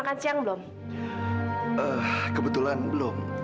kau mau pergi mana